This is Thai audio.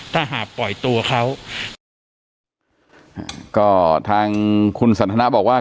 ถ้าหากปล่อยตัวเขาก็ทางคุณสันทนาบอกว่า